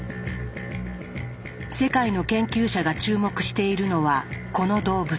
世界の研究者が注目しているのはこの動物。